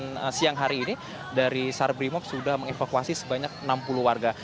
dan siang hari ini dari sarbrimob sudah mengevakuasi sebanyak enam puluh warga